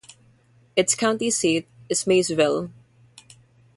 Its county seat is Maysville.